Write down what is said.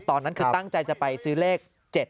ตอนนั้นคือตั้งใจจะไปซื้อเลข๗๗